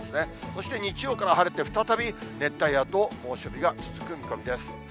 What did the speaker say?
そして、日曜から晴れて、再び熱帯夜と猛暑日が続く見込みです。